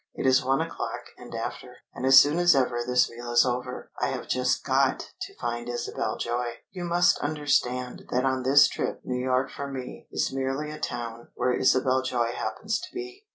It is one o'clock and after, and as soon as ever this meal is over, I have just got to find Isabel Joy. You must understand that on this trip New York for me is merely a town where Isabel Joy happens to be."